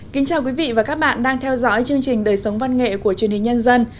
kính chào quý vị và các bạn đang theo dõi chương trình đời sống văn nghệ của truyền hình nhân dân